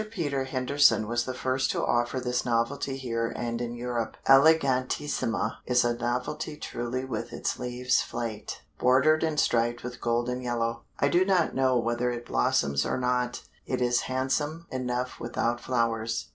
Peter Henderson was the first to offer this novelty here and in Europe. Elegantissima is a novelty truly with its leaves flaked, bordered and striped with golden yellow. I do not know whether it blossoms or not, it is handsome enough without flowers.